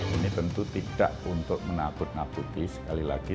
ini tentu tidak untuk menakut nakuti sekali lagi